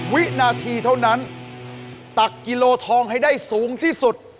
วินาทีเท่านั้นตักกิโลทองให้ได้สูงที่สุด